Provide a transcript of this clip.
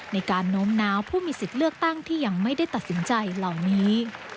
โน้มน้าวผู้มีสิทธิ์เลือกตั้งที่ยังไม่ได้ตัดสินใจเหล่านี้